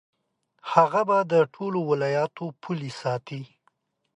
هغه به د ټولو ولایاتو پولې ساتي.